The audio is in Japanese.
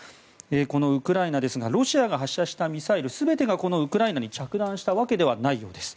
このウクライナですがロシアが発射したミサイルの全てがこのウクライナに着弾したわけではないようです。